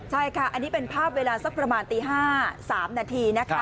ใช่ค่ะอันนี้เป็นภาพเวลาสักประมาณตี๕๓นาทีนะคะ